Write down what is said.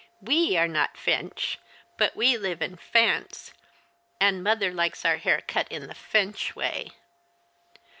" We are not F'ench, but we live in F'ance, and mother likes our hair cut in the F'ench way."